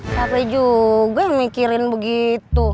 siapa juga yang mikirin begitu